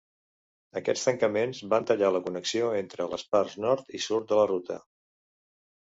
Aquests tancaments van tallar la connexió entre les parts nord i sud de la ruta.